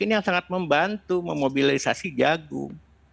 ini yang sangat membantu memobilisasi jagung